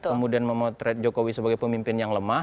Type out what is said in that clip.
kemudian memotret jokowi sebagai pemimpin yang lemah